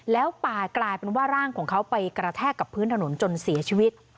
แล้วปลากลายเป็นว่าร่างของเขาไปกระแทกกับพื้นถนนจนเสียชีวิต